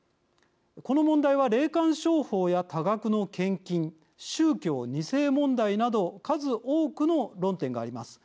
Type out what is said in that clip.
この問題は霊感商法や多額の献金宗教２世問題など数多くの論点があります。